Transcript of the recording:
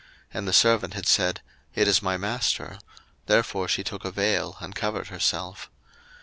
And the servant had said, It is my master: therefore she took a vail, and covered herself.